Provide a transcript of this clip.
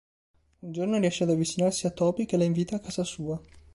Un giorno riesce ad avvicinarsi a Toby che la invita a casa sua.